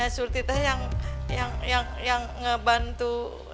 surti yang ngebantu